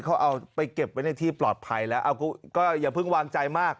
เขาเอาไปเก็บไว้ในที่ปลอดภัยแล้วก็อย่าเพิ่งวางใจมาก